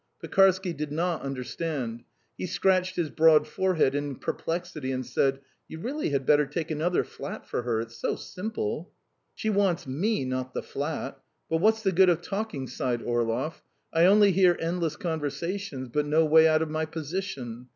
Pekarsky did not understand; he scratched his broad forehead in perplexity and said: "You really had better take another flat for her. It's so simple!" "She wants me, not the flat. But what's the good of talking?" sighed Orlov. "I only hear endless conversations, but no way out of my position.